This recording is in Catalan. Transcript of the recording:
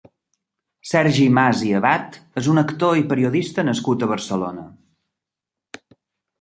Sergi Mas i Abad és un actor i periodista nascut a Barcelona.